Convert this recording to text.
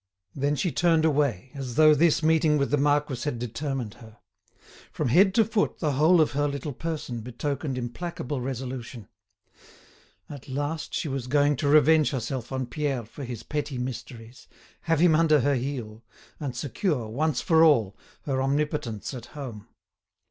Then she turned away, as though this meeting with the marquis had determined her. From head to foot the whole of her little person betokened implacable resolution. At last she was going to revenge herself on Pierre for his petty mysteries, have him under her heel, and secure, once for all, her omnipotence at home.